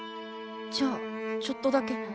じゃあちょっとだけ。